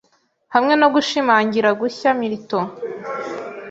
Hamwe nogushimangira gushya Milton